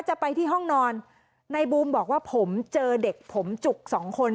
จะไปที่ห้องนอนในบูมบอกว่าผมเจอเด็กผมจุกสองคน